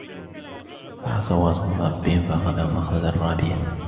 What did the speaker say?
فَعَصَوْا رَسُولَ رَبِّهِمْ فَأَخَذَهُمْ أَخْذَةً رَابِيَةً